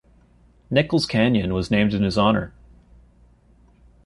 Nichols Canyon was named in his honor.